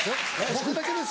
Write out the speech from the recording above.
僕だけですよ。